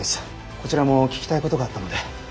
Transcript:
こちらも聞きたいことがあったので。